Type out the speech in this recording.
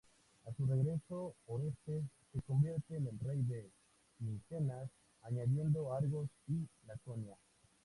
A su regreso Orestes se convierte en rey de Micenas añadiendo Argos y Laconia.